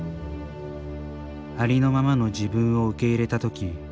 ありのままの自分を受け入れたとき。